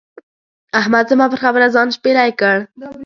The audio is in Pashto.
احمد زما پر خبره ځان شپېلی کړ.